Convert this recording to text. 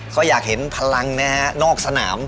ก็อยากเห็นพลังนะฮะนอกสนาม